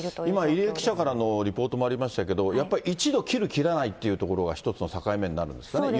今、入江記者からのリポートもありましたけど、やっぱり１度切る、切らないっていうところが、一つの境目になるんですか。